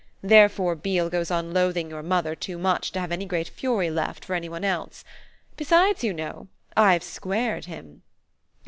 Therefore Beale goes on loathing your mother too much to have any great fury left for any one else. Besides, you know, I've squared him."